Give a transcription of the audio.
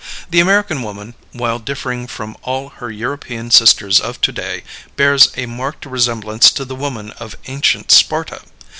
The American woman, while differing from all her European sisters of to day, bears a marked resemblance to the woman of ancient Sparta.